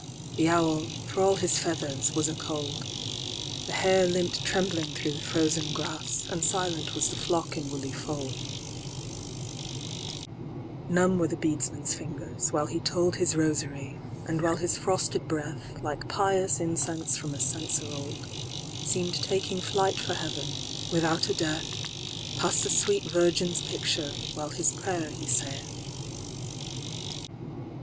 The owl, for all his feathers, was a cold; The hare limp'd trembling through the frozen grass, And silent was the flock in woolly fold:Numb were the Beadsman's fingers, while he toldHis rosary, and while his frosted breath, Like pious incense from a censer old, Seem'd taking flight for heaven, without a death, Past the sweet Virgin's picture, while his prayer he saith.